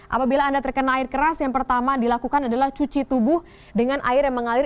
apabila anda terkena air keras yang pertama dilakukan adalah cuci tubuh dengan air yang mengalir